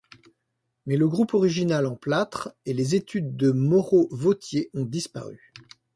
Mais le groupe original en plâtre et les études de Moreau-Vauthier ont disparu.